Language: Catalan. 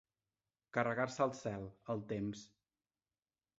Carregar-se el cel, el temps.